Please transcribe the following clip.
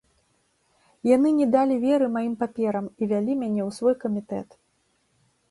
Яны не далі веры маім паперам і вялі мяне ў свой камітэт.